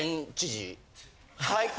はい？